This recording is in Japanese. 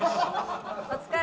お疲れ。